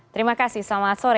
terima kasih selamat sore